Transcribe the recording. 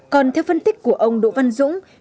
còn theo phân tích của ông đỗ văn dũng